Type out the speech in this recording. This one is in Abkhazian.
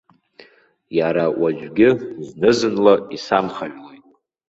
Иара уажәгьы зны-зынла исамхаҩлоит.